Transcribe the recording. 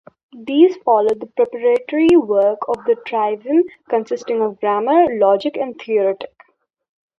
These followed the preparatory work of the trivium, consisting of grammar, logic and rhetoric.